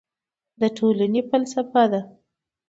د ټولنې فلسفه